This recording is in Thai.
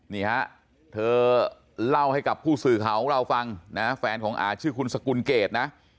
นี่ฮะเธอเล่าให้กับผู้สื่อข่าวของเราฟังนะแฟนของอาชื่อคุณสกุลเกดนะ